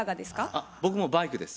あっ僕もバイクです。